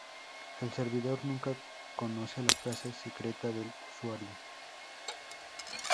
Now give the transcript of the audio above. El servidor nunca conoce la frase secreta del usuario.